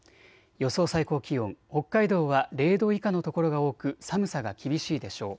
予想最高気温、北海道は０度以下の所が多く寒さが厳しいでしょう。